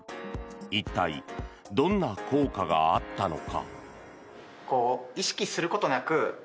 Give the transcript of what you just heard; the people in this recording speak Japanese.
一体どんな効果があったのか。